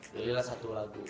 jadilah satu lagu